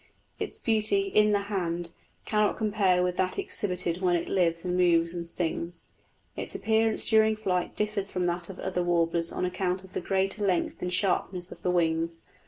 Its beauty "in the hand" cannot compare with that exhibited when it lives and moves and sings. Its appearance during flight differs from that of other warblers on account of the greater length and sharpness of the wings.